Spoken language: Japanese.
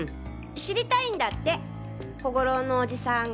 知りたいんだって小五郎のオジさんが。